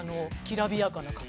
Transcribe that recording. きらびやかな方。